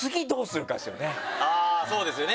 あぁそうですよね！